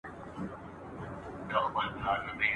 بریالي وه له دې فتحي یې زړه ښاد وو ..